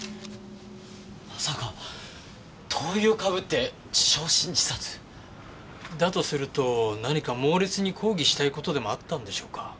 まさか灯油をかぶって焼身自殺？だとすると何か猛烈に抗議したい事でもあったんでしょうか？